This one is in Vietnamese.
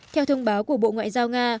theo thông báo của bộ ngoại giao nga